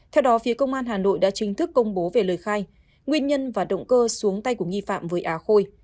theo đó phía công an hà nội đã chính thức công bố về lời khai nguyên nhân và động cơ xuống tay của nghi phạm với á khôi